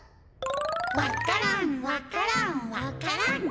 「わか蘭わか蘭わか蘭」